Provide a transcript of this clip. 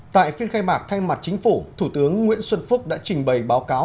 tại phiên khai mạc thay mặt chính phủ thủ tướng nguyễn xuân phúc đã trình bày báo cáo